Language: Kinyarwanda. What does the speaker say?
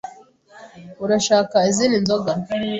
Urashaka izindi nzoga?